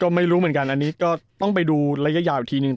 ไม่รู้เหมือนกันอันนี้ก็ต้องไปดูระยะยาวอีกทีนึง